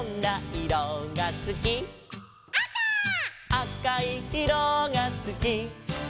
「あかいいろがすき」